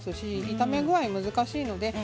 炒め具合、難しいので。